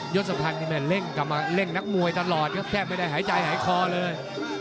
ยศพันธ์เร่งนักมวยตลอดแค่ไม่ได้หายใจหายคอเลย